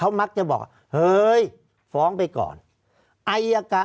ภารกิจสรรค์ภารกิจสรรค์